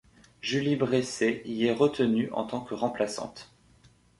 Julie Bresset y est retenue en tant que remplaçante.